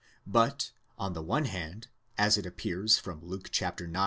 But on the one hand, as it appears from Luke ix.